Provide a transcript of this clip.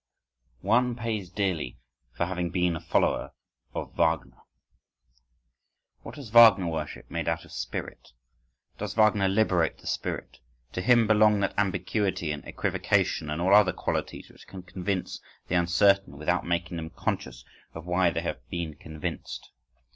— One pays dearly for having been a follower of Wagner. What has Wagner worship made out of spirit? Does Wagner liberate the spirit? To him belong that ambiguity and equivocation and all other qualities which can convince the uncertain without making them conscious of why they have been convinced.